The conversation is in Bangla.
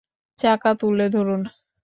চাকা তুলে ধরুন।